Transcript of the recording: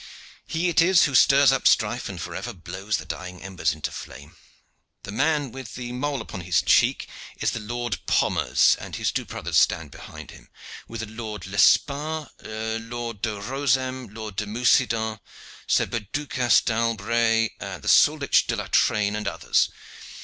He it is who stirs up strife, and forever blows the dying embers into flame. The man with the mole upon his cheek is the Lord Pommers, and his two brothers stand behind him, with the Lord Lesparre, Lord de Rosem, Lord de Mucident, Sir Perducas d'Albret, the Souldich de la Trane, and others.